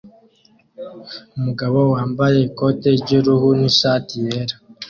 Umugabo wambaye ikote ry'uruhu n'ishati yera